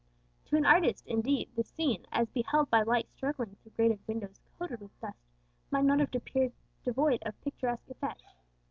To an artist, indeed, the scene, as beheld by light struggling through grated windows coated with dust, might not have appeared devoid of picturesque effect.